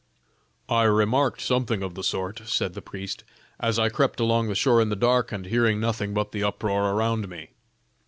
"I remarked something of the sort," said the priest, "as I crept along the shore in the dark, and hearing nothing but the uproar around me.